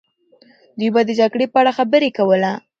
دوی به د جګړې په اړه خبرې کوله.